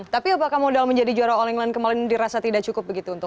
tapi apakah modal menjadi juara all england kemarin dirasa tidak cukup begitu